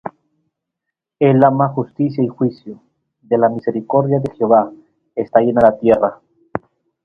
El ama justicia y juicio: De la misericordia de Jehová está llena la tierra.